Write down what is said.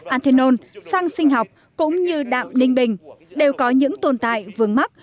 anthenon sang sinh học cũng như đạm ninh bình đều có những tồn tại vướng mắt